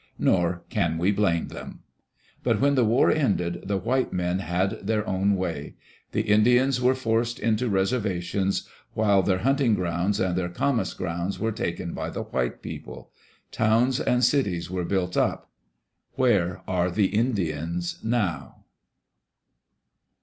Nor can we blame them. But when the war ended, the white men had their own way. The Indians were forced onto reservations, while their hunting grounds and their camas grounds were taken by the white people. Towns and cities were built up. Where are the Indians now?